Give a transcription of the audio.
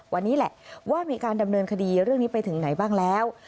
วันนี้แหละว่ามีการดำเนินคดีเรื่องนี้ไปถึงไหนบ้างแล้ว